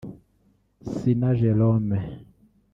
Sina Jerome